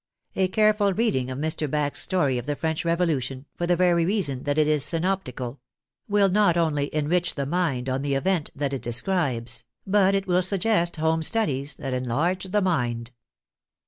A careful reading of Mr. Bax' " Story of the French Revolution "— for the very reason that it is synoptical — will not only enrich the mind on the event that it describes, but it will suggest home studies that enlarge the mind.